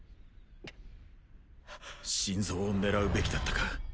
心臓を狙うべきだったか？